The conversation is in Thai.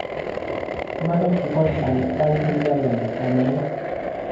มากันกี่คน สั่งกันคนละอย่าง พอไหม